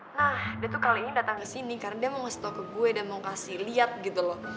nah dia tuh kali ini datang ke sini karena dia mau nge stop ke gue dan mau kasih lihat gitu loh